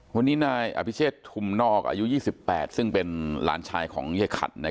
วันนี้นายอภิเชษฐุมนอกอายุ๒๘ซึ่งเป็นหลานชายของยายขัด